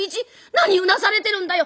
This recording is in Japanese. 何うなされてるんだよ。